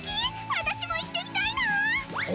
わたしも行ってみたいな。